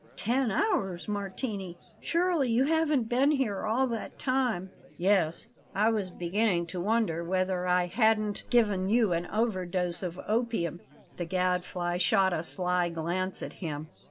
"Ten hours! Martini, surely you haven't been here all that time?" "Yes; I was beginning to wonder whether I hadn't given you an overdose of opium." The Gadfly shot a sly glance at him.